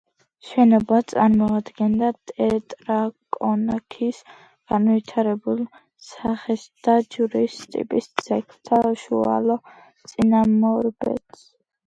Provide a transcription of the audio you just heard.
შენობა წარმოადგენდა ტეტრაკონქის განვითარებულ სახეს და ჯვრის ტიპის ძეგლთა უშუალო წინამორბედს.